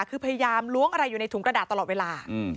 คือพยายามล้วงอะไรอยู่ในถุงกระดาษตลอดเวลา